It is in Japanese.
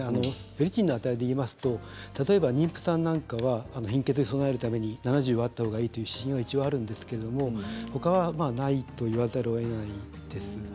フェリチンの値で言いますと例えば妊婦さんなんかは貧血に備えるために７０以上あったほうがいいという指針は一応あるんですけれども、ほかはないと言わざるをえないです。